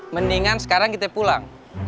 mendingan sekarang kita pulang